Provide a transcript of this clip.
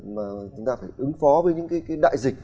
mà chúng ta phải ứng phó với những cái đại dịch